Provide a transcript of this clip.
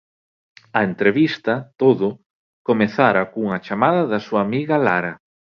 A entrevista Todo comezara cunha chamada da súa amiga Lara.